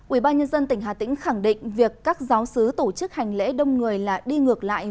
ubnd tỉnh hà tĩnh khẳng định việc các giáo sứ tổ chức hành lễ đông người là đi ngược lại